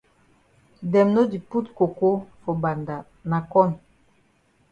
Dem no di put coco for mbanda na corn.